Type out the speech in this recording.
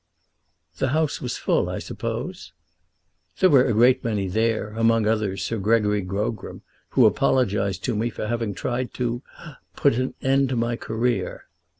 "The house was full, I suppose?" "There were a great many there; among others Sir Gregory Grogram, who apologised to me for having tried to put an end to my career."